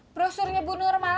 brosurnya bu nur malah bagus banget